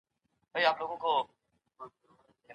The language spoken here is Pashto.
آیا د تعلیمي مفاهیمو په اړه د علم پراختیا مهمه ده؟